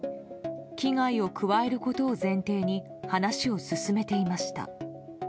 危害を加えることを前提に話を進めていました。